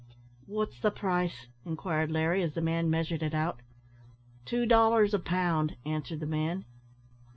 "What's the price?" inquired Larry, as the man measured it out. "Two dollars a pound," answered the man.